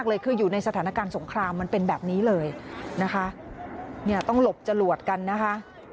เลยคืออยู่ในสถานการณ์สงครามมันเป็นแบบนี้เลยนะคะเนี่ยต้องหลบจรวดกันนะคะ